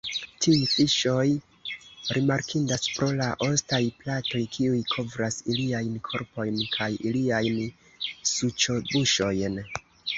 Tiuj fiŝoj rimarkindas pro la ostaj platoj kiuj kovras iliajn korpojn kaj iliajn suĉobuŝojn.